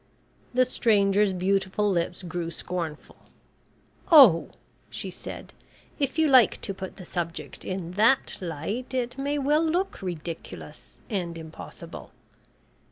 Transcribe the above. The stranger's beautiful lips grew scornful. "Oh!" she said, "if you like to put the subject in that light, it may well look ridiculous and impossible.